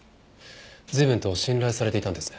随分と信頼されていたんですね。